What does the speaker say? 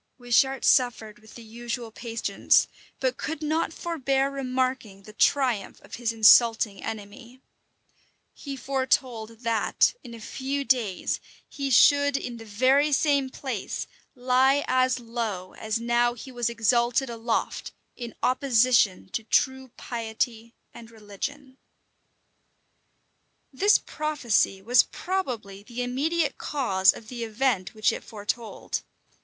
Wishart suffered with the usual patience, but could not forbear remarking the triumph of his insulting enemy. He foretold that, in a few days, he should, in the very same place, lie as low as now he was exalted aloft in opposition to true piety and religion.[] * Knox's Hist. of Ref. p. 44. Spotswood. Spotswood. Buchanan. This prophecy was probably the immediate cause of the event which it foretold.